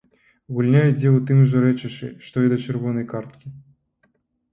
Гульня ідзе ў тым жа рэчышчы, што і да чырвонай карткі.